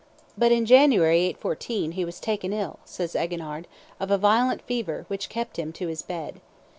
"But in January, 814, he was taken ill," says Eginhard, "of a violent fever, which kept him to his bed.